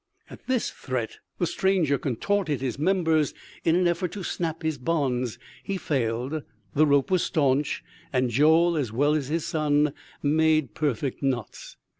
At this threat the stranger contorted his members in an effort to snap his bonds; he failed; the rope was staunch, and Joel as well as his son made perfect knots.